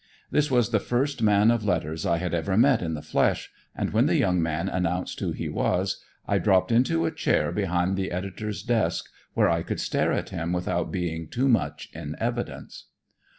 This was the first man of letters I had ever met in the flesh, and when the young man announced who he was, I dropped into a chair behind the editor's desk where I could stare at him without being too much in evidence.